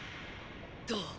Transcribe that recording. どう？